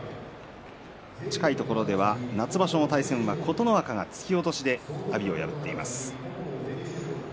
近いところでは夏場所の対戦琴ノ若が阿炎を破っています。